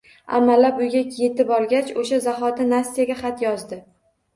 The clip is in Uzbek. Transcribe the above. Amallab uyga yetib olgach, oʻsha zahoti Nastyaga xat yozdi.